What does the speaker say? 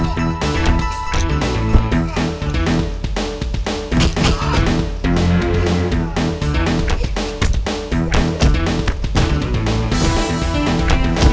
sekarang lu hajar si ian